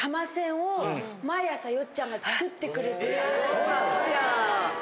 そうなんだ。